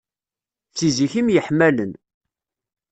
Si zik i myeḥmalen.